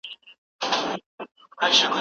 عدالت د بشريت تر ټولو لوړ هدف دی.